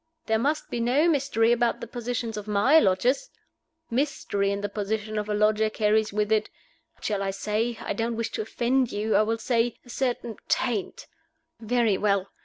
There must be no mystery about the positions of my lodgers. Mystery in the position of a lodger carries with it what shall I say? I don't wish to offend you I will say, a certain Taint. Very well.